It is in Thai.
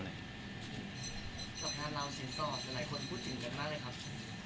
งานเราเสียงกอดหลายคนพูดถึงกันมากเลยครับ